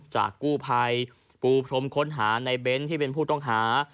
จากกู้ภัยปูพรมค้นหาในเบ้นที่เป็นผู้ต้องหา